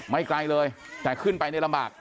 ไม่ไกลเลยแต่ขึ้นไปเลยในลำบาก